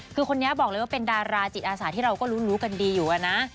คือคนนี้บอกเลยว่าเป็นดาราจิตอาสาที่เราก็รู้กันดีอยู่นะ